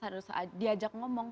harus diajak ngomong